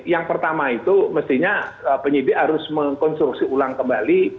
yang pertama itu mestinya penyidik harus mengkonstruksi ulang kembali